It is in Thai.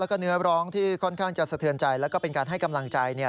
แล้วก็เนื้อร้องที่ค่อนข้างจะสะเทือนใจแล้วก็เป็นการให้กำลังใจ